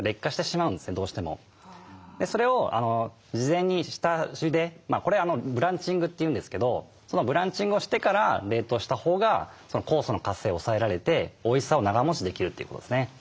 それを事前に下ゆでこれブランチングというんですけどそのブランチングをしてから冷凍したほうが酵素の活性を抑えられておいしさを長もちできるということですね。